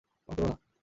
এমন কোরো না।